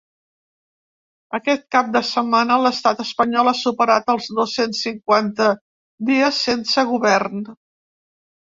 Aquest cap de setmana, l’estat espanyol ha superat els dos-cents cinquanta dies sense govern.